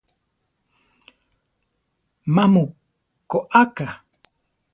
Má mu koáka?